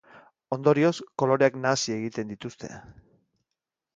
Ondorioz, koloreak nahasi egiten dituzte.